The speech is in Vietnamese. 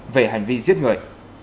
về hành vi giết người